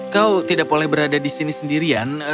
kau tidak boleh berada di sini sendirian